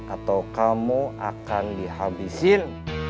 atau kamu akan dihabisin